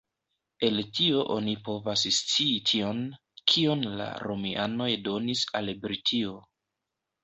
El tio oni povas scii tion, kion la Romianoj donis al Britio.